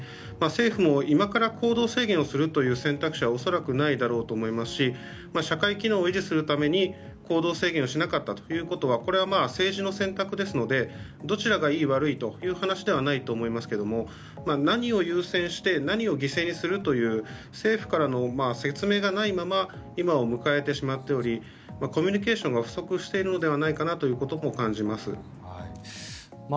政府も今から行動制限をするという選択肢は恐らくないだろうと思いますし社会機能を維持するために行動制限をしなかったということはこれは政治の選択ですのでどちらがいい悪いという話ではないと思いますが何を優先して何を犠牲にするという政府からの説明がないまま今を迎えてしまっておりコミュニケーションが不足しているのではないかなということも感じます。